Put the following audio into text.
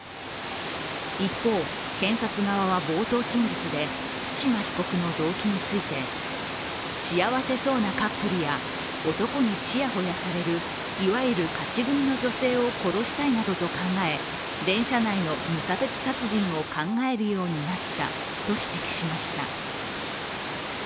一方、検察側は冒頭陳述で対馬被告の動機について、幸せそうなカップルや男にちやほやされるいわゆる勝ち組の女性を殺したいなどと考え、電車内の無差別殺人を考えるようになったと指摘しました。